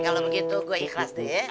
kalau begitu gue ikhlas deh